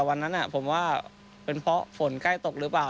วันนั้นผมว่าเป็นเพราะฝนใกล้ตกหรือเปล่า